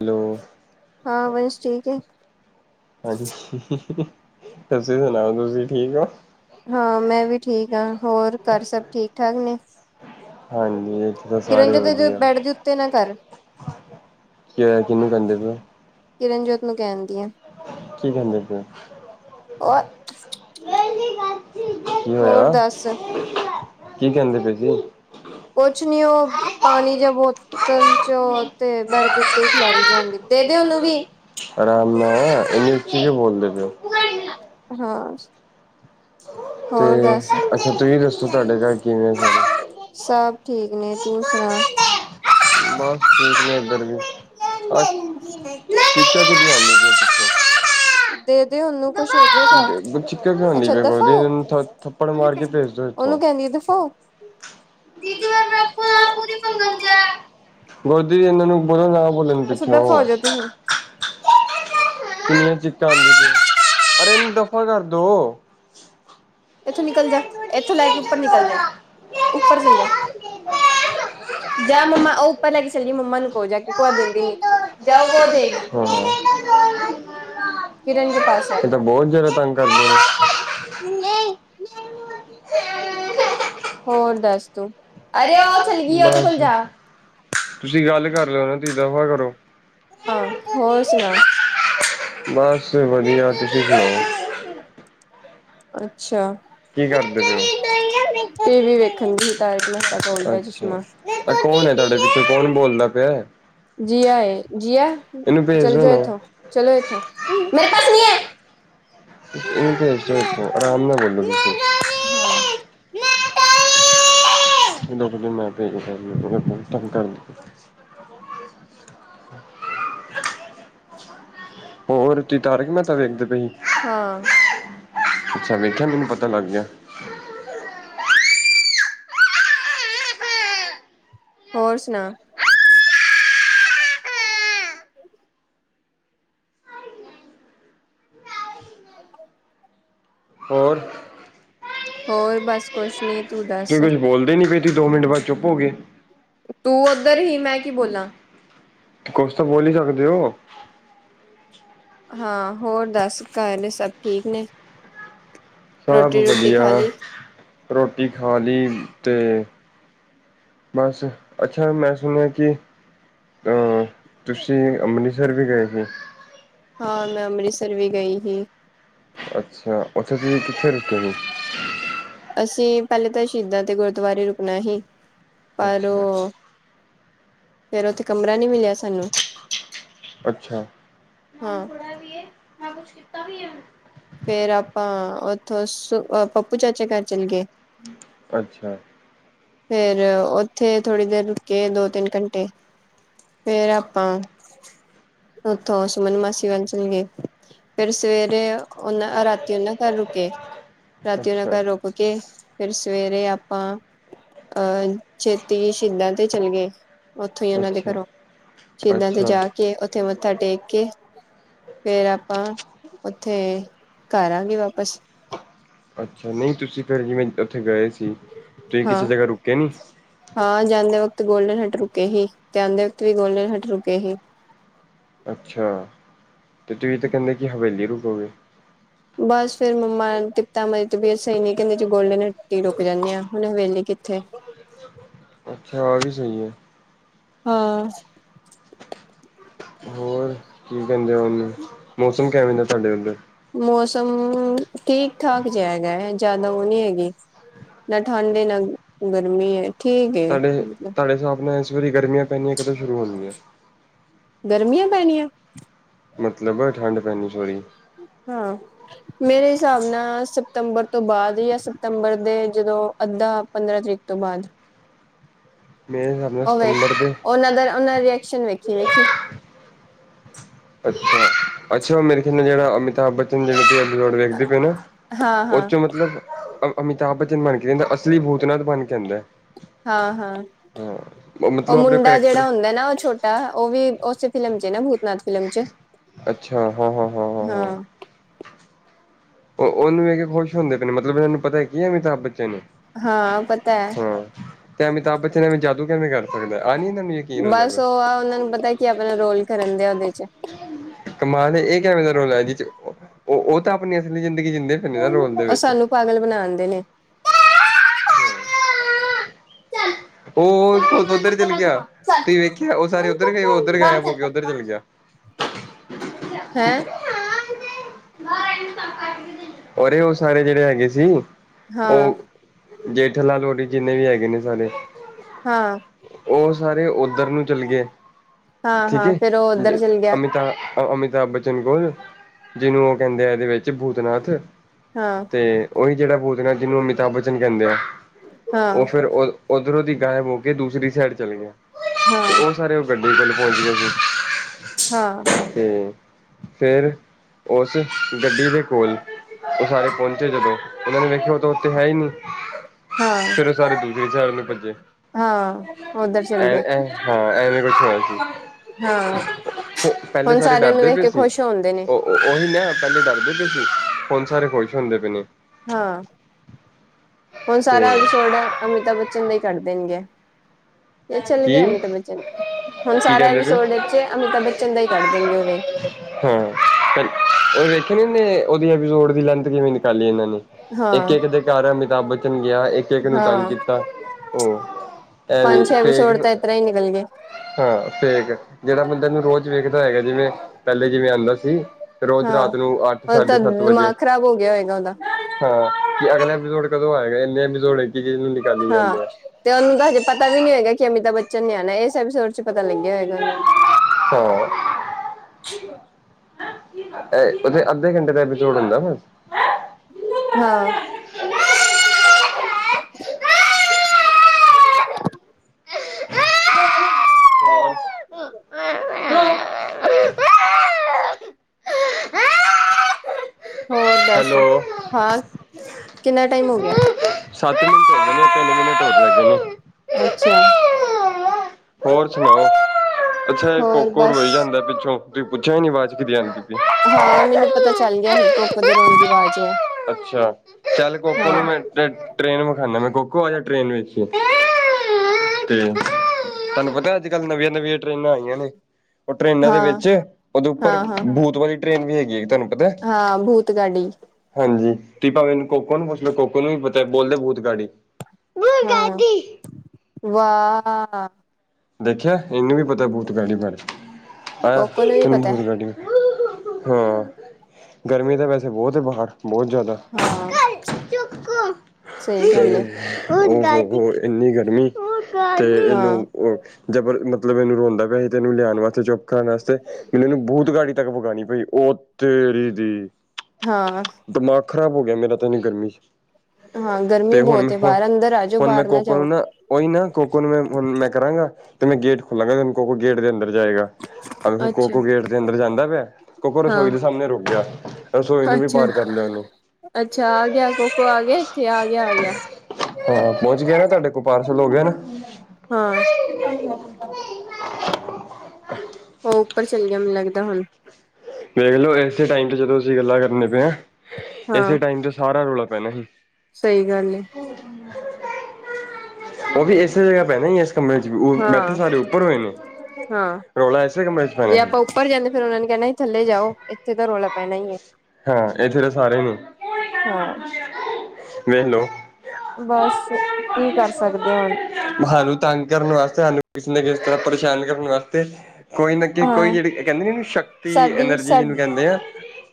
Hello ਹਾਂ ਵੰਸ਼ ਠੀਕ ਹੈ। ਹਾਂਜੀ ਤੁਸੀ ਸੁਣਾਓ ਤੁਸੀਂ ਠੀਕ ਹੋ। ਹਾਂ ਮੈਂ ਵੀ ਠੀਕ ਹਾਂ ਹੋਰ ਘਰ ਸਭ ਠੀਕ ਠਾਕ ਨੇ। ਹਾਂਜੀ ਥੇ ਤਾਂ ਸਾਰੇ ਕਿਰਨਜੋਤ ਦੇ ਵਧੀਆ ਬੈਡ ਦੇ ਉੱਤੇ ਨਾ ਕਰ ਕਿਵੇਂ ਕਿਹਨੂੰ ਕਹਿੰਦੇ ਪਏ ਓ। ਕਿਰਨ ਜੋਤ ਨੂੰ ਕਹਿੰਦੀ ਐ। ਕੀ ਕਹਿੰਦੇ ਫਿਰ [inaudible] [inaudible] ਕੀ ਹੋਰ ਹੋਇਆ ਦੱਸ ਕੀ ਕਹਿੰਦੇ ਪਏ ਸੀ। ਕੁਛ ਨੀ ਉਹ ਪਾਣੀ ਜਾਂ ਬੋਤਲ ਚੋ ਤੇ ਬੈਡ ਦੇ ਉਤੇ ਖਿਲਾਰੀ ਜਾਂਦੀ। ਦੇ ਦੇ ਉਹਨੂੰ ਵੀ ਆਰਾਮ ਨਾਲ, ਇਹਨੀ ਉੱਚੀ ਕਿਉ ਬੋਲਦੇ ਪੇ ਓ। ਹਾਂ। ਤੇ ਹੋਰ ਦੱਸ। ਅੱਛਾ ਤੁਸੀਂ ਦੱਸੋ ਤੁਹਾਡੇ ਘਰ ਕਿਵੇਂ ਸਾਰੇ? ਸਭ ਠੀਕ ਨੇ ਤੂੰ ਸੁਣਾ। [unintelligible] ਦੇ ਦੇ ਉਹਨੂੰ ਖੁਸ਼ ਹੋ ਜਾਏਗਾ। [unintelligible] ਅੱਛਾ ਦਫਾ ਓ ਇਹਨਾਂ ਨੂੰ ਥ ਥੱਪੜ ਮਾਰ ਕੇ ਭੇਜ ਦੋ ਇੱਥੋਂ। ਉਹਨੂੰ ਕਹਿੰਦੀ ਦਫਾ ਓ। ਦੀਦੀ ਵਾਰ ਮੇਰੇ ਕੋਲੋਂ ਪੂਰੀ ਮੰਗਨ ਦਿਆ। ਗੋਦੀ ਜੀ ਇਹਨਾਂ ਨੂੰ ਬੋਲੋ ਨਾ ਬੋਲਣ ਅੱਛਾ ਪਿੱਛੋਂ ਦਫ਼ਾ ਹੋ ਜਾ ਤੂੰ ਹੁਣ ਕਿਨੀਆਂ ਚਿੱਕਾਂ [inaudible] ਅਰੇ ਇਹਨੂੰ ਦਫ਼ਾ ਕਰਦੋ। ਏਥੋਂ ਨਿਕਲ ਜਾ ਇਥੋਂ ਲੈ ਕੇ ਉੱਪਰ ਨਿਕਲ ਜਾ ਉੱਪਰ ਚੱਲ ਜਾ। [inaudible] ਜਾ ਮੰਮਾ ਉਹ ਉੱਪਰ ਲੈ ਕੇ ਚੱਲ ਮੰਮਾ ਨੂੰ ਕੋਲ ਜਾ ਕੇ ਕੁ ਹਾਂ, ਦਿੰਦੀ ਨ ਜਾਂਓ ਵੋ ਦੇਗੀ। [unintelligible] [inaudible] ਇਹ ਤਾਂ ਬਹੁਤ ਜ਼ਿਆਦਾ ਤੰਗ ਕਰਦੇ ਨੇ। [inaudible] ਹੋਰ ਦੱਸ ਤੂੰ ਅਰੇ ਉਹ [inaudible] ਚੱਲ ਗਈ ਉਹਦੇ ਕੋਲ ਬਸ ਜਾ ਤੁਸੀਂ ਗੱਲ ਕਰ ਲਿਓ ਨਾ ਤੁਸੀ ਦਫ਼ਾ ਕਰੋ। ਹਾਂ ਹੋਰ ਸੁਣਾ। [inaudible] ਬਸ ਵਧੀਆ ਤੁਸੀਂ ਸੁਣਾਓ। ਅੱਛਾ [inaudible] ਕੀ ਕਰਦੇ ਪਏ ਹੋ? ਟੀ ਵੀ ਵੇਖਣ ਦੀ ਸੀ ਤਾਂਹਿ ਮੈਂ ਉਲਟਾ ਅੱਛਾ। ਚਸ਼ਮਾ [inaudible] ਆ ਕੌਣ ਹੈ ਤੁਹਾਡੇ ਪਿੱਛੋਂ ਕੌਣ ਬੋਲਦਾ ਪਿਆ? ਜੀਆ-ਜੀਆ ਇਹਨੂੰ ਭੇਜ ਚੱਲ ਦੋ ਜਾ ਨਾ। ਇੱਥੋਂ ਚਲੋ ਏਥੋਂ ਮੇਰੇ ਪਾਸ ਨੀ ਹੈ। [inaudible] ਇਹਨੂੰ ਭੇਜ ਦੋ ਇਥੋਂ ਆਰਾਮ ਨਾਲ ਬੋਲੋ ਤੁਸੀ ਰੁਕਜੋ ਮੈ ਭੇਜਦਾ ਇਹਨਾ ਨੂੰ ਬੜਾ ਤੰਗ ਕਰਦੀ। ਹੋਰ [unintelligible] ਸ ਵੇਖਦੇ ਪਏ। ਸੀ ਹਾਂ ਅੱਛਾ ਵੇਖਿਆ ਮੈਨੂੰ ਪਤਾ ਲੱਗ ਗਿਆ। ਹੋਰ ਸੁਣਾ। [inaudible] ਹੋਰ ਹੋਰ ਬਸ ਕੁਛ ਨੀ ਤੂੰ ਦੱਸ। ਤੁਸੀਂ ਕੁਛ ਬੋਲਦੇ ਨੀ ਪਏ ਤੀ ਦੋ ਮਿੰਟ ਬਾਦ ਚੁੱਪ ਹੋਗੇ। ਤੂੰ ਉੱਧਰ ਹੀ ਮੈਂ ਕੀ ਬੋਲਾਂ ਕੁਛ ਤਾਂ ਬੋਲੀ ਹੀ ਸਕਦੇ ਹੋ। ਹਾਂ ਹੋਰ ਦੱਸ ਘਰ ਨੇ ਸਭ ਠੀਕ ਨੇ। ਸਭ ਰੋਟੀ ਰੂਟੀ ਵਧੀਆ ਖਾ ਲਈ। ਰੋਟੀ ਖਾ ਲਈ ਤੇ ਬਸ ਅੱਛਾ ਮੈਂ ਸੁਣਿਆ ਕਿ, ਤੁਸੀਂ ਅੰਮ੍ਰਿਤਸਰ ਵੀ ਗਏ ਸੀ। ਹਾਂ ਮੈਂ ਅੰਮ੍ਰਿਤਸਰ ਵੀ ਗਈ ਹੀ। ਅੱਛਾ ਉੱਥੇ ਤੁਸੀਂ ਕਿੱਥੇ ਰੁਕੇ ਜੇ ਅਸੀਂ ਪਹਿਲੇ ਤਾਂ ਸ਼ਹੀਦਾਂ ਤੇ ਗੁਰਦੁਆਰੇ ਰੁਕਣਾ ਸੀ ਪਰ ਅੱਛਾ ਉਹ ਫੇਰ ਉੱਥੇ ਕਮਰਾ ਨੀ ਮਿਲਿਆ ਸਾਨੂੰ ਅੱਛਾ [inaudible] ਹਾਂ। ਫੇਰ ਆਪਾਂ ਉਥੋਂ ਪੱਪੂ ਚਾਚੇ ਘਰ ਚਲੇ ਗਏ। ਅੱਛਾ, ਫੇਰ ਉੱਥੇ ਥੋੜ੍ਹੀ ਦੇਰ ਰੁਕੇ ਦੋ ਤਿੰਨ ਘੰਟੇ। ਫੇਰ ਆਪਾਂ ਉੱਥੋਂ ਸੁਮਨ ਮਾਸੀ ਵੱਲ ਚਲੇ ਗਏ। ਫਿਰ ਸਵੇਰੇ ਉਹਨਾ ਰਾਤੀ ਉਹ ਨਾ ਘਰ ਰੁਕੇ ਰਾਤੀ ਉਹਨਾ ਅੱਛਾ ਘਰ ਰੁਕ ਕੇ, ਫੇਰ ਸਵੇਰੇ ਆਪਾਂ, ਅਹ ਛੇਤੀ ਸ਼ਹੀਦਾਂ ਤੇ ਚੱਲ ਗਏ। ਉੱਥੋਂ ਹੀ ਉਹਨਾਂ ਦੇ ਅੱਛਾ ਘਰੋਂ ਸ਼ਹੀਦਾਂ ਤੇ ਅੱਛਾ ਜਾ ਕੇ ਉੱਥੇ ਮੱਥਾ ਟੇਕ ਕੇ, ਫੇਰ ਆਪਾਂ ਉੱਥੇ ਕਰਾਂਗੇ ਵਾਪਿਸ ਅੱਛਾ ਨਹੀਂ ਤੁਸੀਂ ਫੇਰ ਜਿਵੇਂ ਉੱਥੇ ਗਏ ਸੀ, ਤੁਸੀਂ ਹਾਂ ਕਿਸੇ ਜਗ੍ਹਾ ਰੁਕੇ ਨੀ ਹਾਂ ਜਾਂਦੇ ਵਕਤ ਗੋਲਡਨ ਹੱਟ ਰੁਕੇ ਸੀ, ਤੇ ਆਉਦੇ ਵਕਤ ਵੀ ਗੋਲਡਨ ਹੱਟ ਰੁਕੇ ਹੀ। ਅੱਛਾ, ਤੇ ਤੁਸੀਂ ਤਾਂ ਕਹਿੰਦੇ ਕਿ ਹਵੇਲੀ ਰੁਕੋਗੇ। ਬਸ ਫੇਰ ਮੰਮਾ ਤਿਪਤਾ ਮੇਰੀ ਤਬੀਅਤ ਸਹੀ ਨੀ ਨਹੀਂ, ਕਹਿੰਦੇ ਚ ਗੋਲਡਨ ਹੱਟੀ ਰੁਕ ਜਾਂਦੇ ਆ ਹੁਣ ਹਵੇਲੀ। ਕਿੱਥੇ? [inaudible] ਅੱਛਾ ਆ ਵੀ ਸਹੀ ਹੈ। ਹਾਂ, ਹੋਰ ਕੀ ਕਹਿੰਦੇ ਹੋ ਉਹਨੂੰ ਮੌਸਮ ਕਿਵੇਂ ਦਾ ਤੁਹਾਡੇ ਉੱਧਰ? ਮੌਸਮ ਠੀਕ-ਠਾਕ ਜਿਹਾ ਹੈਗਾ ਹੈ, ਜਿਆਦਾ ਉਹ ਨਹੀਂ ਹੈਗੀ। ਨਾ ਠੰਡ ਹੈ ਨਾ, ਗਰਮੀ ਹੈ। ਠੀਕ ਏ ਤੁਹਾਡੇ, ਤੁਹਾਡੇ ਹਿਸਾਬ ਨਾਲ ਇਸ ਵਾਰੀ ਗਰਮੀਆਂ ਪੈਣੀਆਂ ਕਦੋਂ ਸ਼ੁਰੂ ਹੋਣ ਗਿਆ। ਗਰਮੀਆਂ ਪੈਣੀਆਂ ਮਤਲਬ ਠੰਡ ਪੈਣੀ ਸੋਰੀ ਹਾਂ, ਮੇਰੇ ਹਿਸਾਬ ਨਾਲ, ਸਤੰਬਰ ਤੋਂ ਬਾਅਦ ਜਾਂ ਸਤੰਬਰ ਦੇ ਜਦੋਂ ਅੱਧਾ ਪੰਦਰਾਂ ਤਰੀਕ ਤੋਂ ਬਾਅਦ ਮੇਰੇ ਹਿਸਾਬ ਨਾਲ ਉਹ ਵੇਖ, ਸਤੰਬਰ ਦੇ ਉਹਨਾਂ ਦਾ ਉਹਨਾਂ ਰਿਐਕਸ਼ਨ ਵੇਖੀ, ਵੇਖੀ ਅੱਛਾ, ਅੱਛਾ ਮੇਰੇ ਖਿਆਲ ਨਾਲ ਜਿਹੜਾ ਅਮਿਤਾਭ ਬੱਚ ਮਟੀ ਜੋੜ ਵੇਖਦੇ ਪਏ ਨਾ, ਹਾਂ ਉਹ ਹਾਂ ਚੋਂ ਮਤਲਬ ਅਮਿਤਾਭ ਬੱਚਨ ਬਣ ਕੇ ਜਾਂਦਾ, ਅਸਲੀ ਭੂਤਨਾਥ ਬਣ ਕੇ ਆਦਾ ਹਾਂ ਹਾਂ ਹਾਂ। ਉਹ ਮਤਲਬ ਆਪਣੇ ਮੁੰਡਾ ਕਰੈਕਟਰ ਜਿਹੜਾ ਹੁੰਦਾ ਨਾ, ਉਹ ਛੋਟਾ ਉਹ ਵੀ ਉਸੇ ਫਿਲਮ ਚ ਨਾ ਭੂਤਨਾਥ ਫਿਲਮ ਚ ਹਾਂ। ਉਹ ਉਹਨੂੰ ਵੇਖ ਕੇ ਖੁਸ਼ ਹੁੰਦੇ ਪਏ ਨੇ ਮਤਲਬ, ਇਹਨਾਂ ਨੂੰ ਪਤਾ ਕੀ ਅਮਿਤਾਬ ਬਚਨ ਨੇ ਹਾਂ ਪਤਾ ਹੈ ਹਾਂ ਤੇ ਅਮਿਤਾਬ ਬੱਚਨ ਨੇ ਵੀ ਜਾਦੂ ਕਿਵੇਂ ਕਰ ਸਕਦਾ ਆ ਨ [unintelligible] ਬਸ ਉਹ ਆ, ਉਹਨਾਂ ਨੂੰ ਪਤਾ ਕੀ ਆਪਣਾ ਰੋਲ ਕਰਨ ਦੇ ਆ ਉਹਦੇ ਚ। ਕਮਾਲ ਨੇ ਇਹ ਕਿਵੇਂ ਦਾ ਰੋਲ ਹੈ, ਜਿਸ ਉਹ ਉਹ ਤਾਂ ਆਪਣੀ ਅਸਲੀ ਜ਼ਿੰਦਗੀ ਜਿੰਦੇਨ ਉਹ ਸਾਨੂੰ ਪਾਗਲ ਬਣਾਣ ਡੇ ਨੇ। [inaudible] ਚੱਲ ਚ ਉਹ ਉੱਧਰ ਚੱਲ ਗਿਆ ਚ [inaudible] ਤੁਸੀਂ ਵੇਖਿਆ ਉਹ ਸਾਰੇ ਉੱਧਰ ਗਏ ਉਹ ਉੱਧਰ ਗਾਇਬ ਹੋ ਕੇ ਉੱਧਰ ਚੱਲ ਗਿਆ। ਹੈਂ? ਅਰੇ ਉਹ ਸਾਰੇ ਜਿਹੜੇ ਹੈਗੇ ਸੀ। ਹਾਂ, ਉਹ ਜੇਠਾ ਲਾਲ ਹੋਰੀ ਜਿੰਨੇ ਵੀ ਹੈਗੇ ਨੇ ਸਾਰੇ ਹਾਂ, ਉਹ ਸਾਰੇ ਓਧਰ ਨੂੰ ਚੱਲ ਗਏ ਹਾਂ, ਠੀਕ ਹਾਂ ਏ, ਫੇਰ ਉਹ ਉੱਧਰ ਚਲ ਗਿਆ ਅਮਿਤਾ ਅਮਿਤਾਭ ਬੱਚਨ ਕੋਲ, ਜਿਹਨੂੰ ਉਹ ਕਹਿੰਦੇ ਆ ਇਹਦੇ ਵਿੱਚ ਭੂਤਨਾਥ। ਹਾਂ, ਤੇ ਉਹੀ ਜਿਹੜਾ ਬੂਤਨਾਥ ਜਿਹਨੂੰ ਅਮਿਤਾਭ ਬੱਚਨ ਕਹਿੰਦੇ ਆ। ਹਾਂ, ਉਹ ਫੇਰ ਉਧਰੋਂ ਦੀ ਗਾਇਬ ਹੋ ਕੇ ਦੂਸਰੀ ਸਾਈਡ ਚੱਲ ਗਿਆ। ਹਾਂ, ਤੇ ਉਹ ਸਾਰੇ ਉਹ ਗੱਡੀ ਕੋਲ ਪਹੁੰਚ ਗਏ ਸੀ। ਹਾਂ। ਤੇ ਫੇਰ ਉਸ ਗੱਡੀ ਦੇ ਕੋਲ, ਉਹ ਸਾਰੇ ਪਹੁੰਚੇ ਜਦੋਂ ਉਹਨਾਂ ਨੇ ਵੇਖਿਆ ਉਹ ਤਾਂ ਉੱਥੇ ਹੈ ਹੀ ਨਹੀਂ। ਹਾਂ, ਫਿਰ ਉਹ ਸਾਰੇ ਦੂਸਰੇ ਸੈਡ ਨੂੰ ਭੱਜੇ। ਹਾਂ ਉੱਧਰ ਚਲ ਐ, ਗਿਆ ਐ ਹਾਂ ਐਵੇ ਕੋਛ ਹੋਯਾ ਹਾਂ ਸੀ। ਪਹਿਲੇ ਹੁਣ ਸਾਰੇ ਉਹਨੂੰ ਡਰਦੇ ਵੇਖ ਪਏ ਕੇ ਸੀ ਖੁਸ਼ ਹੁੰਦੇ ਨੇ ਉਹ ਉਹੀ ਨਾ ਪਹਿਲੇ ਡਰਦੇ ਪੇ ਸੀ, ਹੋਨ ਸਾਰੇ ਖੁਸ਼ ਹੁੰਦੇ ਪਏ ਨੇ। ਹਾਂ। ਹੁਣ ਤੇ ਸਾਰਾ ਐਪੀਸੋਡ ਅਮਿਤਾਭ ਬੱਚਨ ਲਈ ਕਡ ਦੇਣਗੇ। ਏਹ ਚੱਲ ਕੀ ਗਯਾ ਅਮਿਤ ਬੱਚਨ। ਹੁਣ ਕੀ ਸਾਰਾ ਕਹਿੰਦੇ ਪਏ ਐਵੀਸੋਡ ਈਚ ਅਮਿਤਾਭ ਬੱਚਨ ਦਾ ਹੀ ਕਰ ਦੇਣਗੇ ਓਰੇ। ਹਾਂ ਉਹ ਵੇਖੇ ਨੇੇ ਨੀ ਉਨੇ ਐਪੀਸੋਡ ਦੀ ਲੈਂਥ ਕਿਵੇਂ ਨਿਕਾਲੀ ਇਹਨਾ ਨੇ। ਹਾਂ ਇੱਕ-ਇੱਕ ਦੇ ਘਰ ਅਮਿਤਾਭ ਬੱਚਨ ਗਿਆ ਇੱਕ-ਇੱਕ ਨੂੰ ਤੰਗ ਹਾਂ ਕੀਤਾ। ਉਹ ਐਵੇਂ ਪੰਜ ਛੇ ਫੇਕ ਐਪੀਸੋਡ ਤਾਂ ਇਤਰ੍ਹਾਂ ਹੀ ਨਿਕਲ ਗਏ ਹਾਂ ਫੇਕ ਜਿਹੜਾ ਬੰਦਾ ਨੂੰ ਰੋਜ਼ ਵੇਖਦਾ ਹੈਗਾ ਜਿਵੇਂ ਪਹਿਲੇ ਜਿਵੇਂ ਆਉਂਦਾ ਸੀ ਰੋਜ਼ ਹਾਂ ਰਾਤ ਨੂੰ ਅੱਠ ਉਹ ਸਾਢੇ ਤਾਂ ਸੱਤ ਵਜੇ। ਦਿਮਾਗ ਖ਼ਰਾਬ ਹੋ ਗਿਆ ਹੋਏਗਾ ਉਹਦਾ ਹਾਂ ਕਿ ਅਗਲਾ ਐਪੀਸੋਡ ਕਦੋਂ ਆਏਗਾ ਇੰਨੇ ਐਪੀਸੋਡ ਇਚ [unintelligible] ਹਾਂ ਤੇ ਉਹਨੂੰ ਤਾਂ ਹਜੇ ਪਤਾ ਵੀ ਨੀ ਹੈਗਾ ਕਿ ਅਮਿਤਾਭ ਬੱਚਨ ਨੇ ਆਉਣਾ ਇਸ ਐਪੀਸੋਡ ਪਤਾ ਲੱਗਿਆ ਹੋਏਗਾ ਉਹਨੂੰ। ਹਾਂ ਇਹ ਪਤਾ ਅੱਧੇ ਘੰਟੇ ਦਾ ਏਪੀਸੋਢ ਹੁੰਦਾ ਬੱਸ। ਹਾਂ [unintelligible] [unintelligible] ਹੋਰ ਦੱਸ ਹਾ ਕਿੰਨਾ ਟਾਈਮ ਹੋ ਗਿਆ। ਸੱਤ ਮਿੰਟ ਹੋ ਗਏ ਨੇ ਤਿੰਨ ਮਿੰਟ ਹੋਰ ਰਹਿ ਗਏ। ਅੱਛਾ। ਹੋਰ ਸੁਣਾਓ ਅੱਛਾ ਇਹ ਹੋਰ ਕੋਕੋ ਬਸ ਰੋਈ ਜਾਂਦਾ ਪਿੱਛੋਂ ਤੁਸੀਂ ਪਿੱਛੋਂ ਆਵਾਜ਼ ਕਿਦੀ ਆਂਦੀ ਪਈ ਏ। ਹਾਂ ਮੈਨੂੰ ਪਤਾ ਚੱਲ ਗਿਆ ਸੀ ਕੋਕੋ ਦੀ ਰੋਣ ਦੀ ਆਵਾਜ਼ ਹੈ। ਅੱਛਾ ਚੱਲ ਕੋਕੋ ਹਾਂ। ਨੂੰ ਮੈਂ ਟ੍ਰੇਨ ਵਿਖਾਨਾ ਮੈਂ ਕੋਕੋ ਆਜਾ ਟ੍ਰੇਨ ਵੇਖੀਏ। ਤੇ ਤੁਹਾਨੂੰ ਪਤਾ ਅੱਜ ਕੱਲ ਨਵੀਆ-ਨਵੀਆ ਟ੍ਰੇਨਾਂ ਆਈਆਂ ਨੇ। ਉਹ ਟ੍ਰਰੇਨਾਂ ਦੇ ਹਾਂ, ਵਿੱਚ ਉਹਦੇ ਉੱਪਰ ਹਾਂ, ਹਾਂ, ਭੂਤ ਵਾਲੀ ਟ੍ਰੇਨ ਵੀ ਹੈਗੀ ਹੈਗੀ ਤੁਹਾਨੂੰ ਪਤਾ। ਹਾਂ ਭੂਤ ਗਾੱਡੀ। ਹਾਂਜੀ ਤੁਸੀਂ ਭਾਵੇਂ ਨੂੰ ਕੋਕੋ ਨੂੰ ਪੁੱਛ ਲੋ ਕੋਕੋ ਨੂੰ ਵੀ ਪਤਾ ਬੋਲਦੇ ਭੂਤ ਗਾਡੀ। ਹਾਂ ਵਾਹ। ਦੇਖਿਆ ਇਹਨੂੰ ਵੀ ਪਤਾ ਭੂਤ ਗਾਡੀ ਬਾਰੇ ਆ ਕੋਕੋ ਨੂੰ ਵੀ ਤੈਨੂੰ ਪਤਾ ਹੈ ਭੂਤ ਗਾਡੀ ਹਾਂ ਗਰਮੀ ਤਾਂ ਵੈਸੇ ਬਹੁੱਤ ਹੈ ਬਾਹਰ ਬਹੁੱਤ ਜਾਦਾ। ਹਾ ਸਹੀ ਗੱਲ ਐ। ਉਹ ਇੰਨੀ ਗਰਮੀ ਤੇ ਇਹਨੂੰ ਹਾਂ, ਉਹ ਜਬਰ ਮੱਤਲਬ ਇਹਨੂੰ ਰੋਂਦਾ ਪਿਆ ਸੀ ਤੇ ਇਹਨੂੰ ਲਿਆਉਣ ਵਾਸਤੇ ਚੁੱਪ ਕਰਾਣ ਵਾਸਤੇ ਮੈਂਨੂ ਉਹਨੂੰ ਭੂਤ ਗਾਡੀ ਤੱਕ ਵਖਾਂਉਣੀ ਪਈ ਓ ਤੇਰੀ ਦੀ। ਹਾਂ ਦਿਮਾਗ ਖ਼ਰਾਬ ਹੋ ਗਿਆ ਮੇਰਾ ਤਾ ਇੰਨੀ ਗਰਮੀ ਚ। ਹਾਂ ਗਰਮੀ ਤੇ ਹੁਣ ਬਹੁਤ ਹੈ ਹੁ ਬਾਹਰ ਅੰਦਰ ਆ ਜਾਓ ਹੁਣ ਮੈਂ ਬਾਹਰ ਕੋਕੋ ਜਾਓ। ਨੂੰ ਨਾ ਉਹੀ ਨਾ ਕੋਕੋ ਮੈਂ ਹੁਣ ਮੈਂ ਕਰਾਂਗਾ ਤੇ ਮੈਂ ਗੇਟ ਖੋਲਾਂਗਾ ਤੇਨੂੰ ਕੋਕੋ ਗੇਟ ਦੇ ਅੰਦਰ ਜਾਏਗਾ। ਆ ਅੱਛਾ ਕੋਕੋ ਗੇਟ ਦੇ ਅੰਦਰ ਜਾਂਦਾ ਪਿਆ ਕੋਕੋ ਹਾਂ ਰਸੋਈ ਦੇ ਸਾਹਮਣੇ ਰੁਕ ਗਿਆ। ਟੋਏ ਨੂੰ ਵੀ ਅੱਛਾ ਪਾਰ ਕਰ ਲਿਆ ਉਹਨੇ। ਅੱਛਾ ਆ ਗਿਆ ਕੋਕੋ ਆ ਗਿਆ ਇੱਥੇ ਆ ਗਿਆ ਆ ਗਿਆ। ਹਾਂ ਪਹੁੰਚ ਗਿਆ ਨਾ ਤੁਹਾਡੇ ਕੋਲ ਪਾਰਸਲ ਹੋ ਗਿਆ ਨਾ। ਹਾਂ [unintelligible] ਉਹ ਉੱਪਰ ਚੱਲ ਗਿਆ ਮੈਨੂੰ ਲੱਗਦਾ ਹੁਣ। ਵੇਖਲੋ ਇਸੇ ਟਾਈਮ ਤੇ ਜਦੋਂ ਅਸੀਂ ਗੱਲਾਂ ਕਰਨੇ ਪਏ ਹਾਂ ਇਸੇ ਟਾਈਮ ਤੇ ਸਾਰਾ ਰੌਲਾ ਪੈਣਾ ਸੀ। ਸੱਹੀ ਗੱਲ ਹੈ। ਉਹ ਵੀ ਇਸੇ ਜਗ੍ਹਾ ਪੈਣਾ ਇਸ ਕਮਰੇ ਚ ਉਹ ਬੈਠੇ ਹਾਂ ਸਾਡੇ ਉੱਪਰ ਹੋਏ ਨੇ ਹਾਂ ਰੌਲਾ ਇਸੇ ਕਂਮਰੇ ਚ ਪਾਉਣਾ ਜੇ ਸੀ। ਆਪਾਂ ਉੱਪਰ ਜਾਂਦੇ ਫਿਰ ਉਹਨਾ ਨੇ ਕਹਿਣਾ ਥੱਲੇ ਜਾਓ ਇੱਥੇ ਤਾਂ ਰੌਲਾ ਪੈਣਾ। ਹਾਂ, ਇਥੇ ਤਾਂ ਸਾਰੇ ਨੂੰ ਹਾਂ। ਵੇਖ ਲੋ ਬੱਸ ਕੀ ਕਰ ਸਕਦੇ ਆ ਹੁਣ। ਸਾਨੂੰ ਤੰਗ ਕਰਨ ਵਾਸਤੇ ਸਾਨੂੰ ਕਿਸੇ ਨਾ ਕਿਸੇ ਤਰ੍ਹਾਂ ਪਰੇਸ਼ਾਨ ਕਰਨ ਵਾਸਤੇ। ਕੋਈ ਨਾ ਕੋਈ ਹਾਂ ਜਿਹੜੀ ਕਹਿੰਦੇ ਨੇ ਸ਼ਕਤੀ ਸਾਡੀ ਐਨਰਜੀ ਜਿਹਨੂੰ ਸਾ ਕਹਿਣੇ ਆ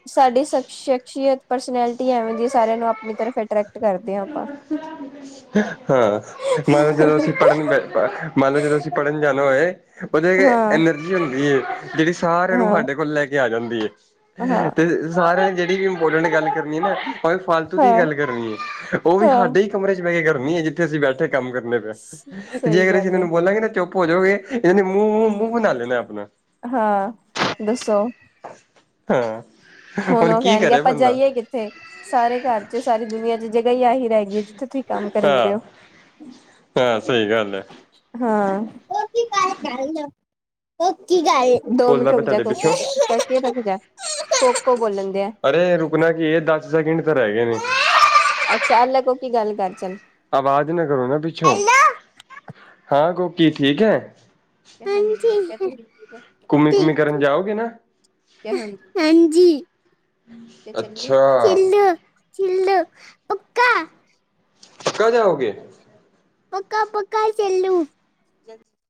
ਸਾਡੀ ਸ਼ਖਸੀਅਤ ਪਰਸਨੈਲਿਟੀ ਐਵੇਂ ਦੀ ਸਾਰਿਆਂ ਨੂੰ ਆਪਣੀ ਤਰਫ ਅਟਰੈਕਟ ਕਰਦੇ ਹਾਂ ਆਪਾਂ। ਹਾਂ, ਮੈਂ ਜਦੋਂ ਅਸੀਂ ਪੜ੍ਹਨ ਮੰਨ ਲਓ ਜਦੋਂ ਅਸੀਂ ਪੜ੍ਹਨ ਜਾਣਾ ਹੋਏ ਉਹਦੇ ਹਾਂ, ਇਨੇ ਹੁੰਦੀ ਜਿਹੜੀ ਸਾਰਿਆਂ ਨੂੰ ਹਾਂ, ਸਾਡੇ ਕੋਲ ਲੈ ਕੇ ਆ ਜਾਂਦੀ ਐ। ਹਾਂ। ਤੇ ਸਾਰਿਆਂ ਨੇ ਜਿਹੜੀ ਵੀ ਇੰਪੋਰਟੈਂਟ ਗੱਲ ਕਰਨੀ ਆ ਨਾ ਭਾਵੇ ਫ਼ਾਲਤੂ ਦੀ ਹਾਂ, ਗੱਲ ਕਰਨੀ ਐ ਓ ਵੀ ਹਾਂ ਸਾਡੇ ਹੀ ਕਮਰੇ ਚ ਬਹਿ ਕੇ ਕਰਨੀ ਆ ਜਿੱਥੇ ਅਸੀਂ ਬੈਠੇ ਥੇ ਕੰਮ ਕਰਨੇ ਪਿਆ ਤੇ ਜੇ ਸਹੀ ਅਗਰ ਅਸੀਂ ਗੱਲ ਏ ਤੈਨੂੰ ਬੋਲਾਂਗੇ ਤਾਂ ਚੁੱਪ ਹੋਜੋਗੇ। ਏਨੇ ਮੂੰਹ-ਮੂੰਹ ਬਣਾ ਲੈਨਾ ਆਪਣਾ ਹਾਂ ਦੱਸੋ। ਹਾਂ, ਹੁਣ ਉਹ ਕੀ ਕਹਿਣਗੇ ਕਰੇ ਆਪਾਂ ਬੰਦਾ ਜਾਈਏ ਕਿੱਥੇ ਸਾਰੇ ਘਰ 'ਚ ਸਾਰੀ ਦੁਨੀਆਂ 'ਚ ਜਗ੍ਹਾ ਹੀ ਆਹੀ। ਰਹਿ ਗਈ ਏ ਜਿੱਥੇ ਤੁਸੀਂ ਕੰਮ ਕਰਨ ਹਾਂ ਦੇ ਓ। ਹਾਂ ਸਹੀ ਗੱਲ ਹੈ ਹਾਂ [unintelligible] ਦੋ ਮਿੰਟ ਬੋਲਦਾ ਮੈਂ ਰੁਕ ਜਾ ਤੁਹਾਡੇ ਪਿੱਛੋਂ [inaudible] ਰੁਕ ਜਾ। ਕੋਕੋ ਬੋਲਣ ਦਿਆ। ਅਰੇ ਰੁਕਣਾ ਕੀ ਇਹ ਦਸ ਸੈਕਿੰਡ ਤਾਂ ਰਹਿ ਗਏ ਨੇ। ਅੱਛਾ ਆ ਲੈ ਕੋਕੀ ਗੱਲ ਕਰ ਚੱਲ। ਆਵਾਜ਼ ਨਾ ਕਰੋ ਨਾ ਪਿੱਛੋਂ ਹੈਲੋ ਹਾਂ ਕੋਕੀ ਠੀਕ ਐ। ਹਾਂਜੀ, ਠੀਕ। ਘੁੰਮੀ-ਘੁੰਮੀ ਕਰਨ ਜਾਓਗੇ ਨਾ। ਹਾਂਜੀ [unintelligible] ਅੱਛਾ ਚੱਲੋ ਪੱਕਾ। ਪੱਕਾ ਜਾਓਗੇ। ਪੱਕਾ-ਪੱਕਾ ਚੱਲੂ।